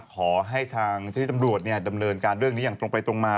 ขอให้ทางเจ้าที่ตำรวจดำเนินการเรื่องนี้อย่างตรงไปตรงมา